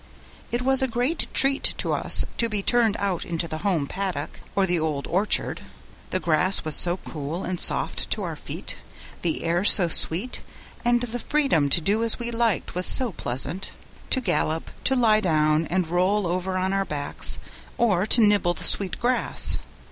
It was a great treat to us to be turned out into the home paddock or the old orchard; the grass was so cool and soft to our feet, the air so sweet, and the freedom to do as we liked was so pleasant to gallop, to lie down, and roll over on our backs, or to nibble the sweet grass.